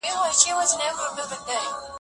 نن بیا د ازادۍ په ننګ راوتي پښتانه دي